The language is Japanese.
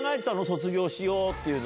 卒業しようって。